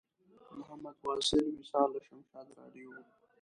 محمد واصل وصال له شمشاد راډیو و.